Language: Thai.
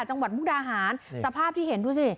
มุกดาหารสภาพที่เห็นดูสิ